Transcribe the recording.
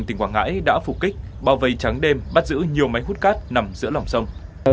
tỉnh quảng ngãi đã phục kích bao vây trắng đêm bắt giữ nhiều máy hút cát nằm giữa lòng sông